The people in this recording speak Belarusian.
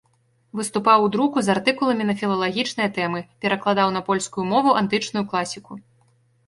Выступаў у друку з артыкуламі на філалагічныя тэмы, перакладаў на польскую мову антычную класіку.